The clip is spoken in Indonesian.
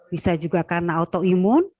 bisa juga karena autoimun